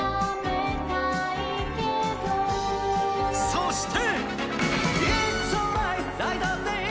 そして。